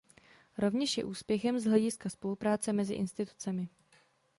Rovněž je úspěchem z hlediska spolupráce mezi institucemi.